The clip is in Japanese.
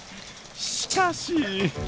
しかし。